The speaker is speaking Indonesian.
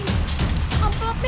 malin jangan lupa